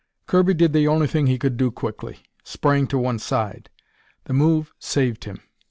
Kirby did the only thing he could do quickly sprang to one side. The move saved him.